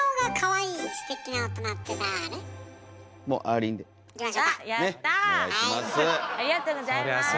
ありがとうございます。